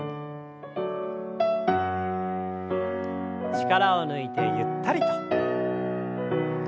力を抜いてゆったりと。